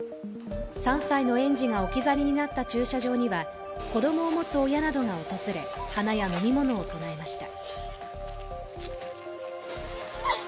３歳の園児が置き去りになった駐車場には子供を持つ親などが訪れ、花や飲み物を供えました。